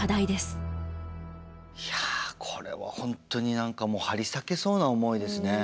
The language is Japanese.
いやこれは本当に何か張り裂けそうな思いですね。